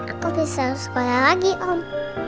aku bisa sekolah lagi om